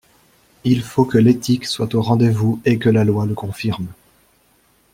Il faut que l’éthique soit au rendez-vous et que la loi le confirme.